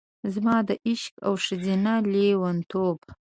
زما د عشق او ښځینه لیونتوب،